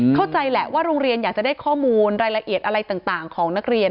เข้าใจแหละว่าโรงเรียนอยากจะได้ข้อมูลรายละเอียดอะไรต่างของนักเรียน